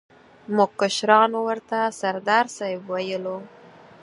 موږ کشرانو ورته سردار صاحب ویلو.